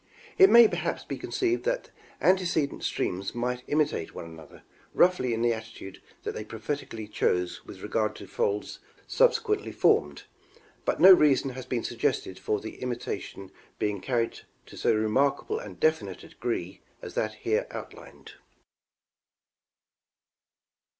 It may perhaps be conceived that antecedent streams might imitate one another roughly in the attitude that they prophetically chose with regard to folds subsequently formed, but no reason has been suggested for the imitation being carried to so remarkable and definite a degree as that here outlined.